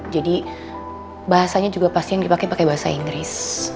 jadi bahasanya juga pasti yang dipake pake bahasa inggris